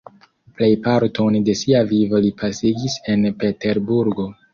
Plejparton de sia vivo li pasigis en Peterburgo.